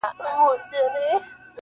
له پخوانو کمبلو پاته دوې ټوټې دي وړې-